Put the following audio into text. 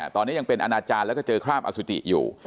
ตอนนี้ยังเป็นอนาจารย์แล้วก็เจอคราบอสุจิอยู่